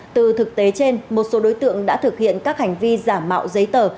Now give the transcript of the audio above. từ thực tế trên một số đối tượng đã thực hiện các hành vi giả mạo giấy tờ